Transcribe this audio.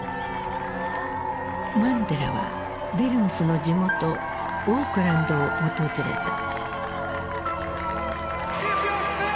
マンデラはデルムスの地元オークランドを訪れた。